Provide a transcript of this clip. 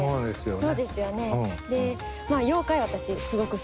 そうですよね。